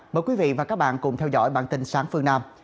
mời quý vị và các bạn cùng theo dõi bản tin sáng phương nam